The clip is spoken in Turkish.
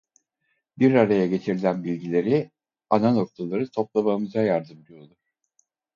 Bir araya getirilen bilgileri ana noktaları toplamamıza yardımcı olur.